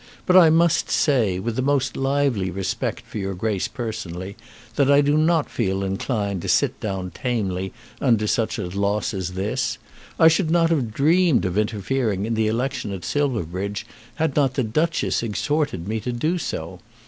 But I must say, with the most lively respect for your Grace personally, that I do not feel inclined to sit down tamely under such a loss as this. I should not have dreamed of interfering in the election at Silverbridge had not the Duchess exhorted me to do so.